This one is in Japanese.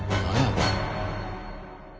これ。